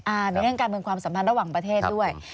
ในเรื่องการเมืองความสัมพันธ์ระหว่างประเทศด้วย